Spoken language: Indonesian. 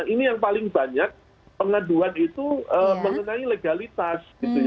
ini yang paling banyak pengaduan itu mengenai legalitas